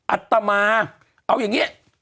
อะตะมาเอายังงี้